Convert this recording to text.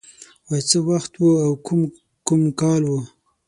وای څه وخت و او کوم کوم کال و